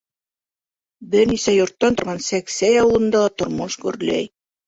Бер нисә йорттан торған Сәксәй ауылында ла тормош гөрләй.